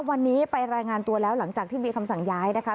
วันนี้ไปรายงานตัวแล้วหลังจากที่มีคำสั่งย้ายนะคะ